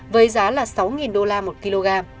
với giá là sáu đô la một kg